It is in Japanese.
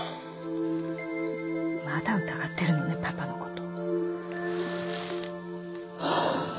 まだ疑ってるのねパパのこと